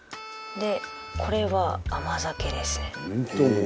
これは甘酒ですね。